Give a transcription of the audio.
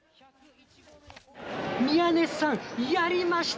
宮根さん、やりました！